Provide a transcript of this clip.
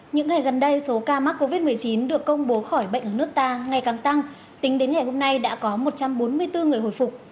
những ngày gần đây số ca mắc covid một mươi chín được công bố khỏi bệnh ở nước ta ngày càng tăng tính đến ngày hôm nay đã có một trăm bốn mươi bốn người hồi phục